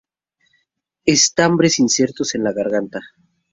Estambres insertos en la garganta.